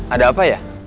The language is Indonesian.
ada apa ya